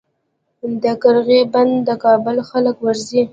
د قرغې بند د کابل خلک ورځي